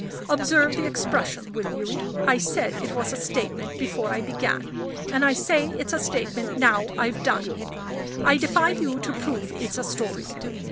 Observe the expression, will you? I said it was a Statement before I began; and I say it's a Statement now I've done. I defy you to prove it's a Story!